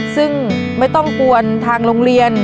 ซึ่งไม่ต้องกวนทางโรงเรียน